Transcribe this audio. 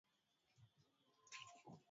Yale anayoyasema yako na maana kupindukia